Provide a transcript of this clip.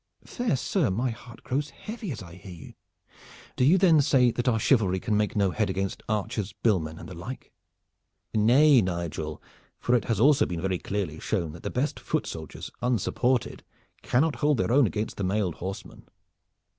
"Fair sir, my heart grows heavy as I hear you. Do you then say that our chivalry can make no head against archers, billmen and the like?" "Nay, Nigel, for it has also been very clearly shown that the best foot soldiers unsupported cannot hold their own against the mailed horsemen."